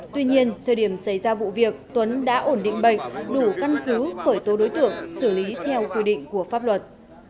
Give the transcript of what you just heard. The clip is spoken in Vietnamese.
tuy nhiên thời điểm xảy ra vụ việc tuấn đã ổn định bệnh đủ căn cứ khởi tố đối tượng xử lý theo quy định của pháp luật